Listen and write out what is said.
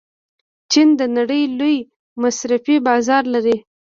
چین د نړۍ لوی مصرفي بازار لري.